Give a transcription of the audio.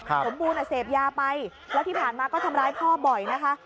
สมบูรณ์เสพยาไปแล้วที่ผ่านมาก็ทำร้ายพ่อบ่อยนะคะ